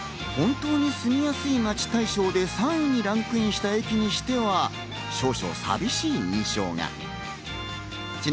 本当に住みやすい街大賞で３位にランクインした駅にしては少々寂しい印象が。